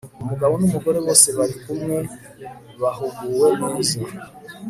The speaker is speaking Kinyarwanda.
umugabo numugore bose bari kumwe bahuguwe neza